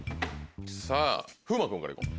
さぁ風磨君から行こう。